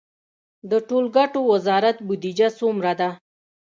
د ټولګټو وزارت بودیجه څومره ده؟